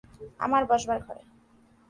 আমার বসবার ঘরে।